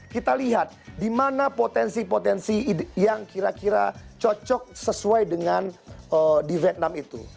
kita lihat di mana potensi potensi yang kira kira cocok sesuai dengan di vietnam itu